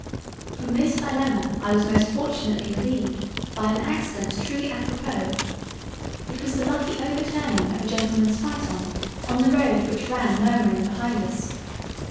From this Dilemma I was most fortunately releived by an accident truly apropos; it was the lucky overturning of a Gentleman's Phaeton, on the road which ran murmuring behind us.